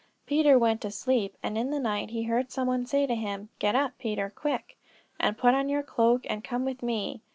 Peter went to sleep; and in the night he heard some one say to him, 'Get up, Peter, quick; and put on your cloak and come with me.'